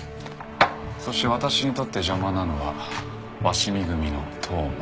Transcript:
そして私にとって邪魔なのは鷲見組の当麻。